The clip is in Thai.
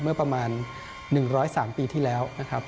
เมื่อประมาณ๑๐๓ปีที่แล้วนะครับ